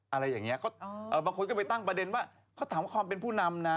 อะไรอย่างนี้บางคนก็ไปตั้งประเด็นว่าเขาถามความเป็นผู้นำนะ